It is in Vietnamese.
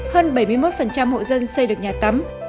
hơn bảy mươi một hộ dân xây được nhà tắm